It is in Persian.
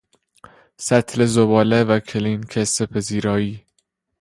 سطل زباله و کلینکس پذیرایی